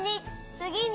「つぎに」